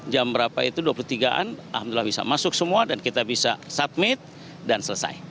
jam berapa itu dua puluh tiga an alhamdulillah bisa masuk semua dan kita bisa submit dan selesai